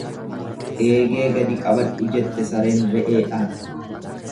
Eegee gadi qabadhu jette sareen re'eedhaan.